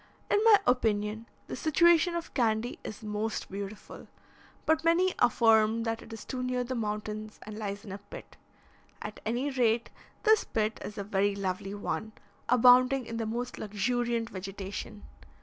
In my opinion, the situation of Candy is most beautiful, but many affirm that it is too near the mountains, and lies in a pit. At any rate, this pit is a very lovely one, abounding in the most luxuriant vegetation.